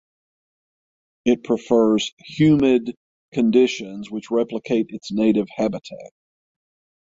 It prefers humid conditions which replicate its native habitat.